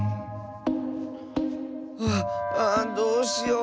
あっああどうしよう。